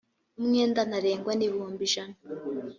umwenda ntarengwa nibihumbi ijana.